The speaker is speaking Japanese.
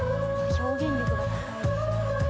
表現力が高いですね。